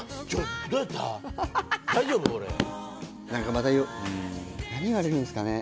また何言われるんすかね？